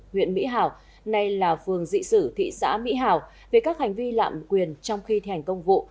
huyện mỹ hảo nay là phường dị sử thị xã mỹ hảo về các hành vi lạm quyền trong khi thi hành công vụ